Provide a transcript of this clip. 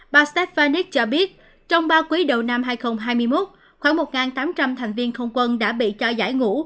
bà stvanich cho biết trong ba quý đầu năm hai nghìn hai mươi một khoảng một tám trăm linh thành viên không quân đã bị cho giải ngũ